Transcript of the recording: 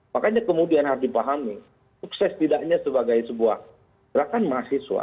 makanya kemudian harus dipahami sukses tidaknya sebagai sebuah gerakan mahasiswa